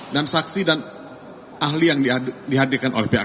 dan saksi dan ahli yang dihadirkan oleh pihak kpu